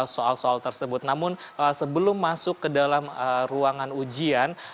soal soal tersebut namun sebelum masuk ke dalam ruangan ujian